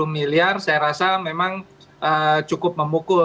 satu ratus empat puluh miliar saya rasa memang cukup memukul